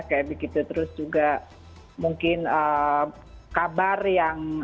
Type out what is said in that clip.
kayak begitu terus juga mungkin kabar yang